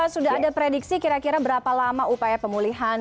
sudah ada prediksi kira kira berapa lama upaya pemulihan